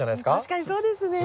確かにそうですね。